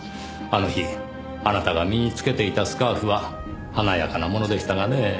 あの日あなたが身につけていたスカーフは華やかなものでしたがねぇ。